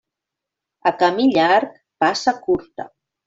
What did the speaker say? A camí llarg, passa curta.